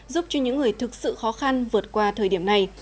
giúp cho những người thực sự khó khăn vượt qua thời điểm này